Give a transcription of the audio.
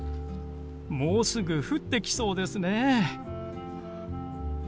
もうすぐ降ってきそうですね。